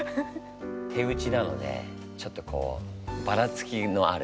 手打ちなのでちょっとこうバラつきのある。